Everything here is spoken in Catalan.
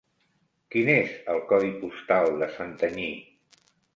Quin és el codi postal de Santanyí?